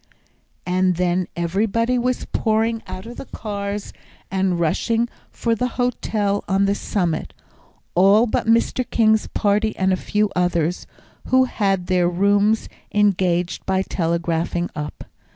And then everybody was pouring out of the cars and rushing for the hotel on the summit; all but Mr. King's party and a few others, who had their rooms engaged by telegraphing up.